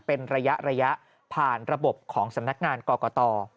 เป็นระยะผ่านระบบของสำนักงานกรกต